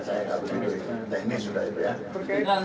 saya nggak begitu teknis